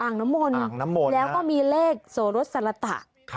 น้ำมนต์แล้วก็มีเลขโสรสสรตะ